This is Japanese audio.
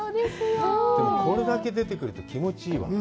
でも、これだけ出てくるって、気持ちいいわ。